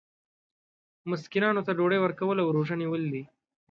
مسکینانو ته ډوډۍ ورکول او روژه نیول دي.